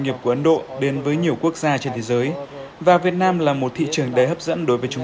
nghiệp với nhiều quốc gia trên thế giới và việt nam là một thị trường đầy hấp dẫn đối với chúng